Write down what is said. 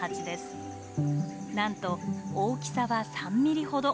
なんと大きさは３ミリほど。